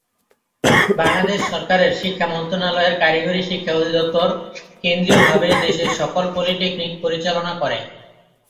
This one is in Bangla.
বাংলাদেশ সরকারের শিক্ষা মন্ত্রণালয়ের কারিগরি শিক্ষা অধিদপ্তর কেন্দ্রীয়ভাবে দেশের সকল পলিটেকনিক পরিচালনা করে।